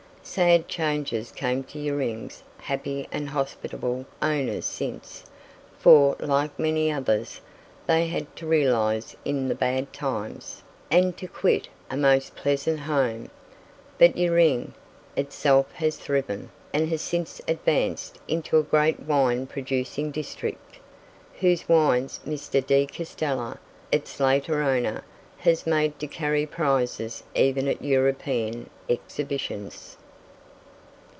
Sad changes came to Yering's happy and hospitable owners since, for, like many others, they had to "realize" in the bad times, and to quit a most pleasant home. But Yering itself has thriven, and has since advanced into a great wine producing district, whose wines Mr. De Castella, its later owner, has made to carry prizes even at European Exhibitions.